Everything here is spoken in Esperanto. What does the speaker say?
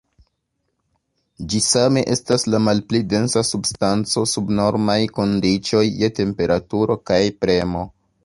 Ĝi same estas la malpli densa substanco sub normaj kondiĉoj je temperaturo kaj premo.